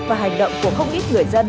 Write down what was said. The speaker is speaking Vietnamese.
và hành động của không ít người dân